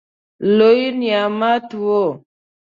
لوی نعمت وو.